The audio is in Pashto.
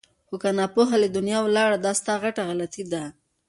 خو که ناپوه له دنیا ولاړې دا ستا غټه غلطي ده!